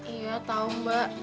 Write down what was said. iya tau mbak